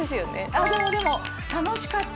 あっでもでも「楽しかった！」。